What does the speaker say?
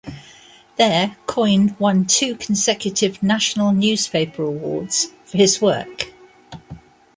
There, Coyne won two consecutive National Newspaper Awards for his work.